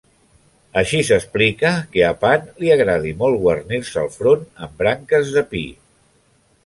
Així s'explica que a Pan li agradi molt guarnir-se el front amb branques de pi.